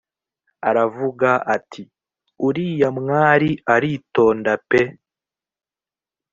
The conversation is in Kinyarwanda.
aravuga ati: uriya mwari aritonda pe